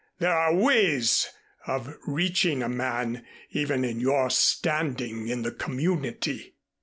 There are ways of reaching a man even of your standing in the community."